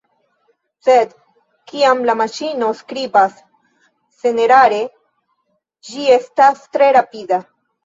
Sed, kiam la maŝino skribas senerare, ĝi estas tre rapida.